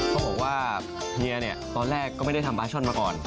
เขาบอกว่าเฮียเนี่ยตอนแรกก็ไม่ได้ทำปลาช่อนมาก่อน